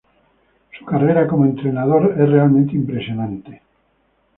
Su carrera como entrenador es realmente impresionante.